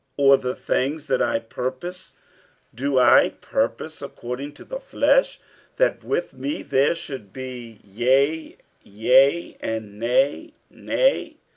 or the things that I purpose, do I purpose according to the flesh, that with me there should be yea yea, and nay nay?